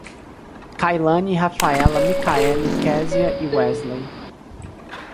Cailane, Rafaella, Micaeli, Kezia e Weslley